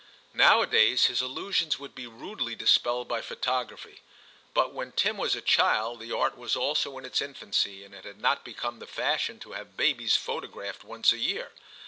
Nowadays his illusions would be rudely dis pelled by photography ; but when Tim was a child, the art was also in its infancy, and it had not become the fashion to have babies photographed once a year.